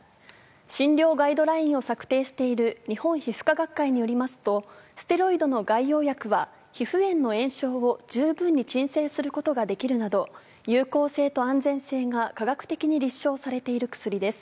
診療ガイドラインを策定している日本皮膚科学会によりますと、ステロイドの外用薬は、皮膚炎の炎症を十分に鎮静することができるなど、有効性と安全性が科学的に立証されている薬です。